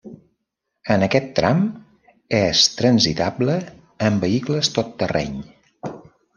En aquest tram és transitable en vehicles tot terreny.